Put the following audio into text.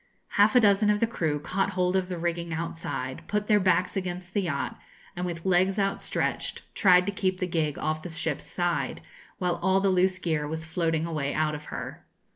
Half a dozen of the crew caught hold of the rigging outside, put their backs against the yacht, and with legs outstretched tried to keep the gig off the ship's side, while all the loose gear was floating away out of her.